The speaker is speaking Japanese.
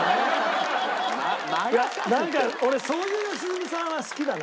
なんか俺そういう良純さんは好きだな。